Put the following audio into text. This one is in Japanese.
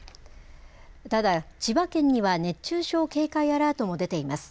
ただ千葉県には熱中症警戒アラートも出ています。